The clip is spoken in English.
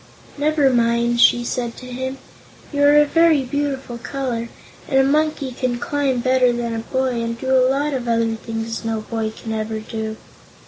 "Never mind," she said to him. "You are a very beautiful color, and a monkey can climb better than a boy and do a lot of other things no boy can ever do."